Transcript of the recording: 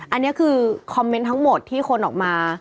อันนี้คือคอมเมนต์ทั้งหมดที่คนออกมา